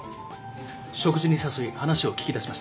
食事に誘い話を聞き出しました。